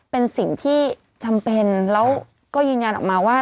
เป็นสิ่งที่จำเป็นแล้วก็ยืนยันออกมาว่า